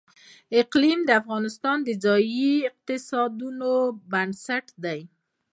اقلیم د افغانستان د ځایي اقتصادونو بنسټ دی.